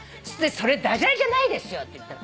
「それ駄じゃれじゃないですよ」って言ったの。